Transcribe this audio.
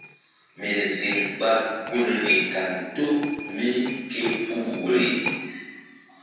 Mi ziŋ ɓa gunri kaŋto mí ké puh woirii.